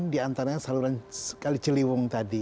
di antaranya saluran kali ciliwung tadi